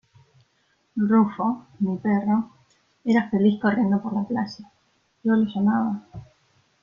Rufo, mi perro, era feliz corriendo por la playa, yo lo llamaba…